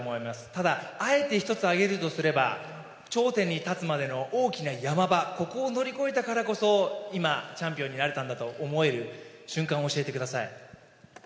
ただ、あえて１つ挙げるとすれば、頂点に立つまでの大きなヤマ場、ここを乗り越えたからこそ今、チャンピオンになれたんだと思える瞬間を教えてください。